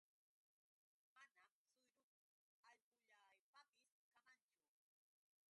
Manam suyru allqullaapapis kamanchu.